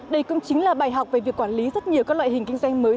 đây cũng chính là bài học về việc quản lý rất nhiều các loại hình kinh doanh mới